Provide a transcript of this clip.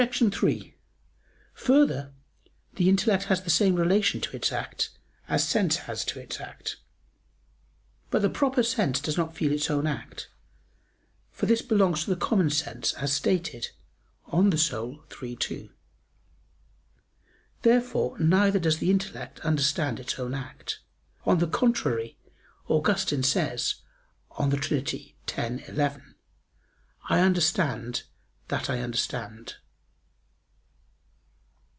3: Further, the intellect has the same relation to its act as sense has to its act. But the proper sense does not feel its own act, for this belongs to the common sense, as stated De Anima iii, 2. Therefore neither does the intellect understand its own act. On the contrary, Augustine says (De Trin. x, 11), "I understand that I understand."